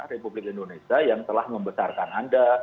republik indonesia yang telah membesarkan anda